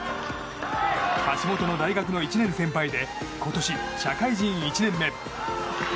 橋本の大学の１年先輩で今年、社会人１年目。